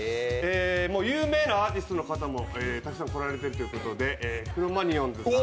有名なアーティストの方もたくさん来られているということでクロマニヨンズさん